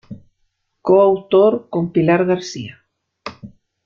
Co-autor con Pilar García.